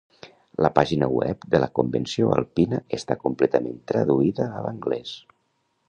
La pàgina web de la Convenció Alpina està completament traduïda a l'anglès.